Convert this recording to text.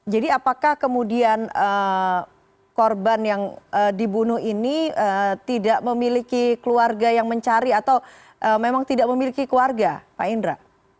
jadi apakah kemudian korban yang dibunuh ini tidak memiliki keluarga yang mencari atau memang tidak memiliki keluarga pak indra